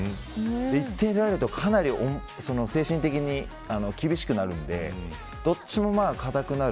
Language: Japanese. １点入れられるとかなり精神的に厳しくなるのでどっちも堅くなる。